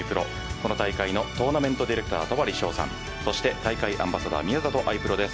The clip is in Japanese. この大会のトーナメントディレクター戸張捷さんそして大会アンバサダーの宮里藍プロです。